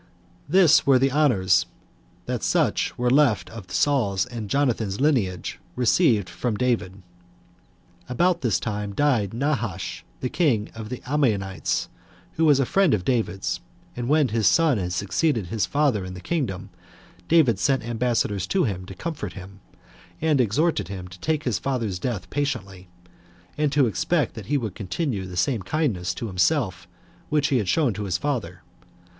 1. This were the honors that such as were left of Saul's and Jonathan's lineage received from David. About this time died Nahash, the king of the Ammonites, who was a friend of David's; and when his son had succeeded his father in the kingdom, David sent ambassadors to him to comfort him; and exhorted him to take his father's death patiently, and to expect that he would continue the same kindness to himself which he had shown to his father.